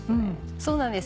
そうなんです